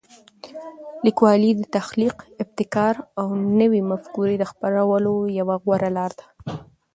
لیکوالی د تخلیق، ابتکار او نوي مفکورې د خپرولو یوه غوره لاره ده.